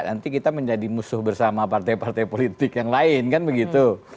nanti kita menjadi musuh bersama partai partai politik yang lain kan begitu